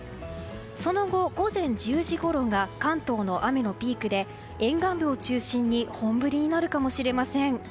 その後、午前１０時ごろが関東の雨のピークで沿岸部を中心に本降りになるかもしれません。